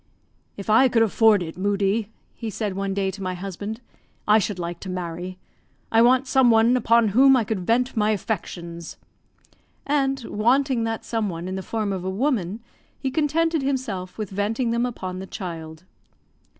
"If I could afford it, Moodie," he said one day to my husband, "I should like to marry. I want some one upon whom I could vent my affections." And wanting that some one in the form of woman, he contented himself with venting them upon the child.